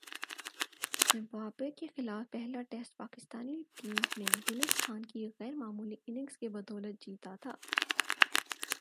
Zimbabwe کے خلاف پہلا ٹیسٹ پاکستانی ٹیم نے یونس خان کی غیر معمولی اننگز کی بدولت جیتا تھا ۔